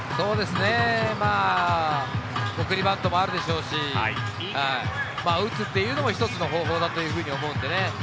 まぁ、送りバントもあるでしょうし、打つというのも一つの方法だと思うのでね。